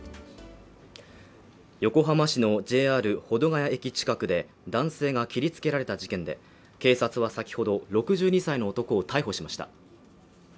横浜市のＪＲ保土ヶ谷駅近くで男性が切りつけられた事件で警察は先ほど６２歳の男を逮捕しました